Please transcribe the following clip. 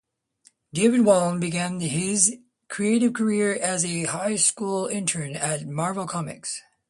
David Wohl began his creative career as a high school intern at Marvel Comics.